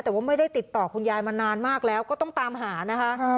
แต่ว่าไม่ได้ติดต่อคุณยายมานานมากแล้วก็ต้องตามหานะคะ